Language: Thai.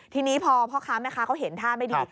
ทีนี้พอพ่อค้าแม่ค้าเขาเห็นท่าไม่ดี